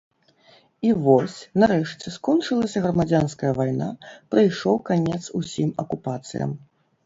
І вось, нарэшце, скончылася грамадзянская вайна, прыйшоў канец усім акупацыям.